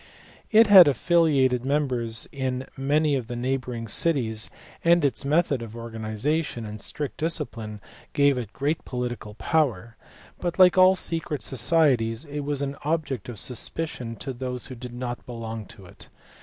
It had affiliated members in many of the neighbouring cities, and its method of organization and strict discipline gave it great political power; but like all secret societies it was an object of suspicion to those who did not belong to it.